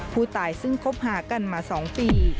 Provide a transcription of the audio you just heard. ผู้ตายซึ่งคบหากันมา๒ปี